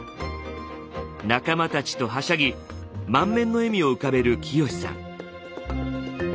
仲間たちとはしゃぎ満面の笑みを浮かべる清守さん。